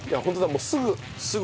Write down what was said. もうすぐ。